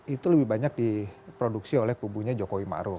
itu lebih banyak diproduksi oleh kubunya jokowi ma'ruf